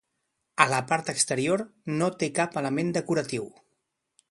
A la part exterior no té cap element decoratiu.